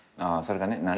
それがね。